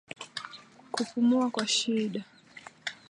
Kupumua kwa shida